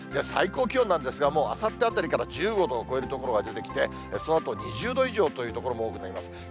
最高気温なんですが、もうあさってあたりから１５度を超える所が出てきて、そのあと２０度以上という所も多くなります。